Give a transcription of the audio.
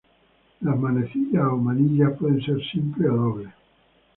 Las manecillas o manillas pueden ser simples o dobles.